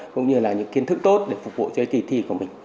cũng như là những kiến thức tốt để phục vụ cho kỳ thi của mình